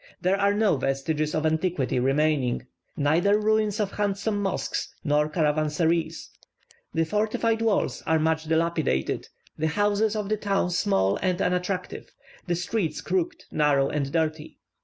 There are no vestiges of antiquity remaining; neither ruins of handsome mosques nor caravansaries. The fortified walls are much dilapidated, the houses of the town small and unattractive, the streets crooked, narrow, and dirty.